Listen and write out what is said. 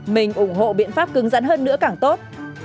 mình ủng hộ biện pháp cứng rắn hơn nữa càng tốt